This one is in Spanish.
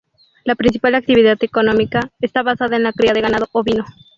La principal actividad económica está basada en la cría de ganado ovino.